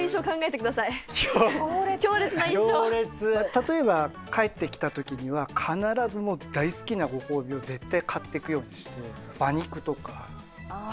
例えば帰ってきた時には必ず大好きなご褒美を絶対買ってくようにして馬肉とか。